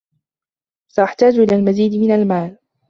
سأحتاج إلى المزيد من المال.